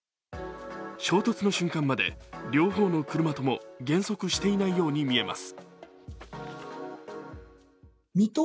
衝突の瞬間まで両方の車とも減速していないように見えます。